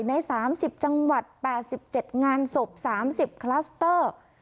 ในสามสิบจังหวัดแปดสิบเจ็ดงานศพสามสิบคลัสเตอร์